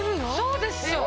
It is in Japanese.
そうですよ。